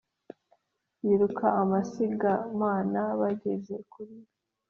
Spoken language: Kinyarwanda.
biruka amasigamana bageze kure